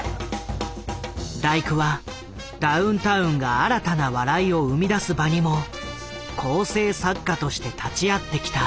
大工はダウンタウンが新たな笑いを生み出す場にも構成作家として立ち会ってきた。